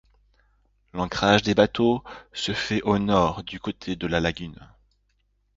L'ancrage des bateaux se fait au nord du côté de la lagune.